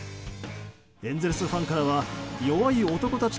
エンゼルスファンからは「弱い男たち」